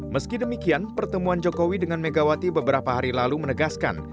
meski demikian pertemuan jokowi dengan megawati beberapa hari lalu menegaskan